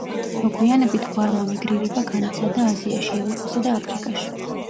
მოგვიანებით გვარმა მიგრირება განიცადა აზიაში, ევროპასა და აფრიკაში.